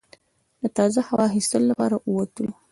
د تازه هوا اخیستلو لپاره ووتلو.